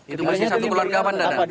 itu masih satu keluarga apa